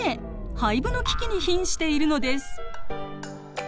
廃部の危機にひんしているのです。